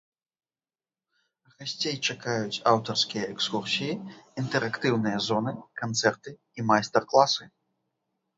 Гасцей чакаюць аўтарскія экскурсіі, інтэрактыўныя зоны, канцэрты і майстар-класы.